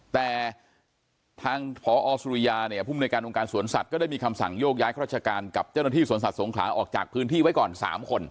แต่ทางพอสุริยาเนี่ยภูมิในการองค์การสวนสัตว์ก็ได้มีคำสั่งโยกย้ายข้าราชการกับเจ้าหน้าที่สวนสัตว์สงขลาออกจากพื้นที่ไว้ก่อน๓คน